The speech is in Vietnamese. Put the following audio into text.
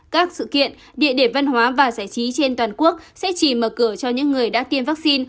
các sự kiện địa điểm văn hóa và giải trí trên toàn quốc sẽ chỉ mở cửa cho những người đã tiêm vaccine